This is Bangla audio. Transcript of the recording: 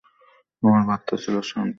আমার বার্তা ছিল শান্তির বার্তা।